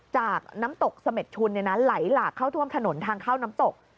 จากน้ำตกเสม็ดชุนไหลหลากเข้าท่วมถนนทางเข้าน้ำตก